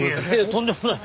とんでもない。